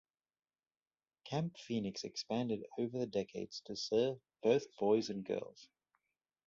Camp Phoenix expanded over the decades to serve both boys and girls.